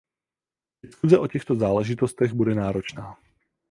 Diskuse o těchto záležitostech bude náročná.